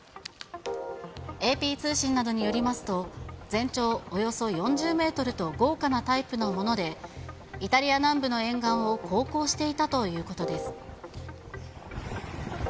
ＡＰ通信などによりますと、全長およそ４０メートルと豪華なタイプのもので、イタリア南部の沿岸を航行していたということです。